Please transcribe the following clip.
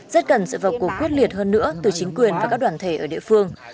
rất cần sự vào cuộc quyết liệt hơn nữa từ chính quyền và các đoàn thể ở địa phương